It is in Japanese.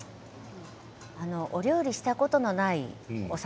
お料理したことのないお魚。